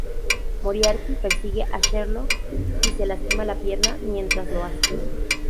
Moriarty persigue a Sherlock y se lastima la pierna mientras lo hace.